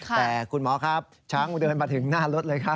แต่คุณหมอครับช้างเดินมาถึงหน้ารถเลยครับ